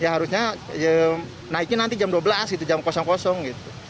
harusnya naiknya nanti jam dua belas jam kosong kosong